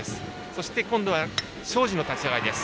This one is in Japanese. そして今度は庄司の立ち上がり。